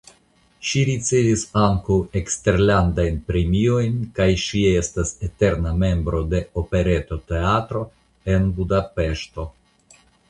Ŝi ricevis ankaŭ eksterlandajn premiojn kaj ŝi estas "eterna membro de Operetoteatro" en Budapeŝto.